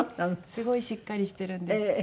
すごいしっかりしてるんです。